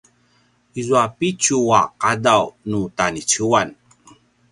izua pitju a qadaw nu ta niciuan